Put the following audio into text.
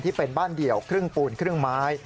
ที่เป็นบ้านเดี่ยวครึ่งปูนครึ่งไม้